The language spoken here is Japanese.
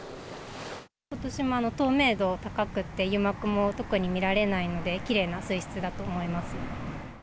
ことしも透明度高くって、油膜も特に見られないので、きれいな水質だと思います。